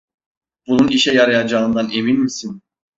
Bunun işe yarayacağından emin misin?